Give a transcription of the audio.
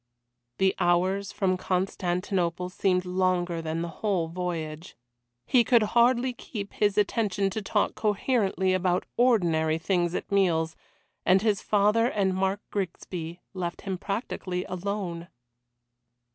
The hours from Constantinople seemed longer than the whole voyage. He could hardly keep his attention to talk coherently about ordinary things at meals, and his father and Mark Grigsby left him practically alone.